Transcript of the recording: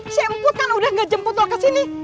si emput kan udah gak jemput lo kesini